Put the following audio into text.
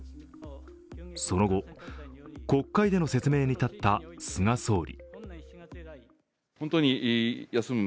その後、国会での説明に立った菅総理。